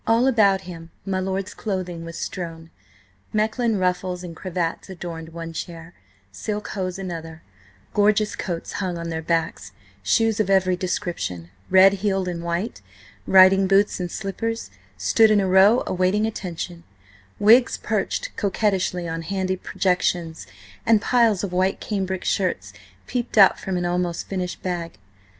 All about him my lord's clothing was strewn; Mechlin ruffles and cravats adorned one chair, silk hose another; gorgeous coats hung on their backs; shoes of every description, red heeled and white, riding boots and slippers, stood in a row awaiting attention; wigs perched coquettishly on handy projections, and piles of white cambric shirts peeped out from an almost finished bag.